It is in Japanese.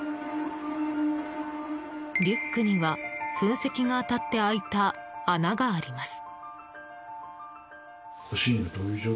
リュックには噴石が当たって開いた穴があります。